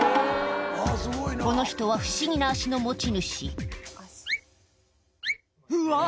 この人は不思議な足の持ち主うわ！